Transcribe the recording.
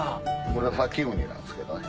ムラサキウニなんですけどね。